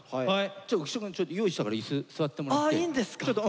ちょっと浮所くん用意したから椅子座ってもらって。いいんですか？